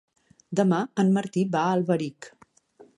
Demà en Martí va a Alberic.